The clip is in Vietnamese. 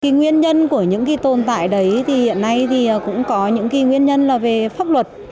nguyên nhân của những tồn tại đấy thì hiện nay cũng có những nguyên nhân về pháp luật